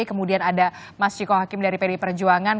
kemudian ada mas ciko hakim dari pdi perjuangan